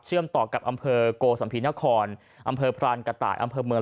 ต่อกับอำเภอโกสัมภีนครอำเภอพรานกระต่ายอำเภอเมือง